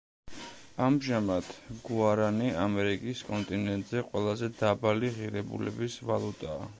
ამჟამად, გუარანი ამერიკის კონტინენტზე ყველაზე დაბალი ღირებულების ვალუტაა.